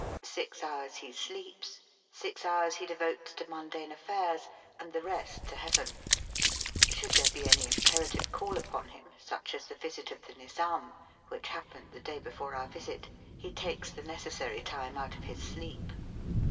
Six hours he sleeps, six hours he devotes to mundane affairs, and the rest to heaven. Should there be any imperative call upon him, such as the visit of the Nizam, which happened the day before our visit, he takes the necessary time out of his sleep.